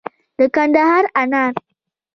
د کندهار انار